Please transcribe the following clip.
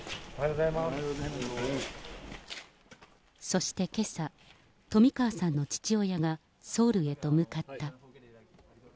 そしてけさ、冨川さんの父親がソウルへと向かった。